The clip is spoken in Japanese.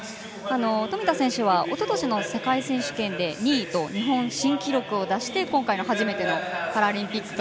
富田選手はおととしの世界選手権で２位と日本新記録を出して今回、初めてのパラリンピックと。